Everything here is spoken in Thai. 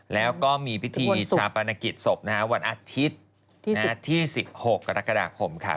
แล้วก็มีพิธีชาปนกิจศพวันอาทิตย์ที่๑๖กรกฎาคมค่ะ